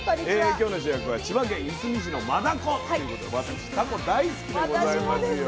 今日の主役は千葉県いすみ市のマダコっていうことで私タコ大好きでございますよ。